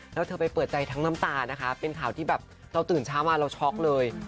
แล้วเธอไปเปิดใจทั้งน้ำตานะคะเป็นข่าวที่แบบเราตื่นเช้ามาเราช็อกเลย